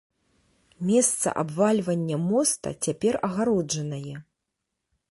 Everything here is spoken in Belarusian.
Месца абвальвання моста цяпер агароджанае.